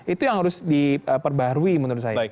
itu yang harus diperbarui menurut saya